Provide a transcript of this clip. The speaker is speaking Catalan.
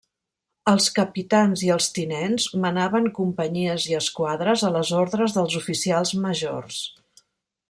Els capitans i els tinents manaven companyies i esquadres a les ordres dels oficials majors.